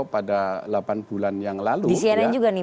pada delapan bulan yang lalu ya